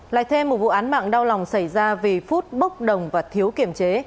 lại thêm một vụ án mạng đau lòng xảy ra vì phút bốc đồng và thiếu kiểm chế